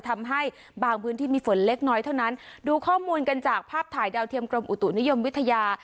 ทำให้บางพื้นที่มีฝนเล็กน้อยเท่านั้นดูข้อมูลกันจากภาพถ่ายดาวเทียมกรมอุตุนิยมวิทยา